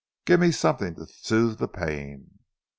Give me something to soothe the pain."